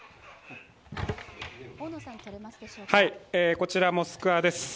こちらモスクワです。